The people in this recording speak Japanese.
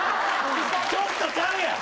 ちょっとちゃうやん！